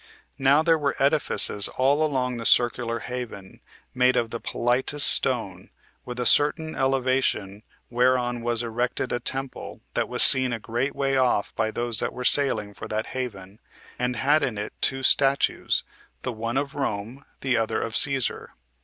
Now there were edifices all along the circular haven, made of the politest stone, with a certain elevation, whereon was erected a temple, that was seen a great way off by those that were sailing for that haven, and had in it two statues, the one of Rome, the other of Cæsar.